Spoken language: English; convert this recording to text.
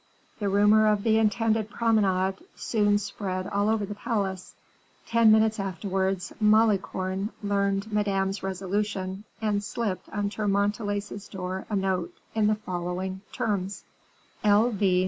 The rumor of the intended promenade soon spread all over the palace; ten minutes afterwards Malicorne learned Madame's resolution, and slipped under Montalais's door a note, in the following terms: "L. V.